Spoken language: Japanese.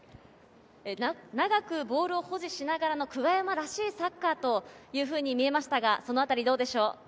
長くボールを保持しながらの久我山らしいサッカーというふうに見えましたが、そのあたりはどうでしょう？